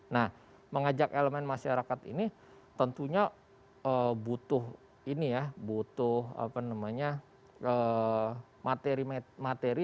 nah mengajak elemen masyarakat ini tentunya butuh ini ya butuh apa namanya materi materi